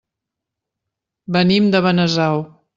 Venim de Benasau.